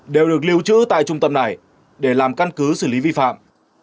đều được lưu trữ tại trung tâm này để làm căn cứ xử lý vi phạm